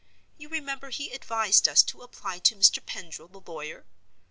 You remember he advised us to apply to Mr. Pendril, the lawyer?